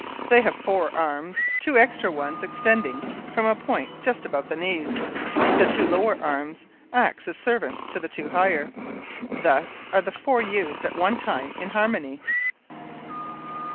They have four arms, two extra ones extending from a point just above the knees. The two lower arms act as servants to the two higher. Thus are the four used at one time in harmony.